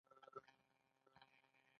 ایا ستاسو وکیل به زیرک وي؟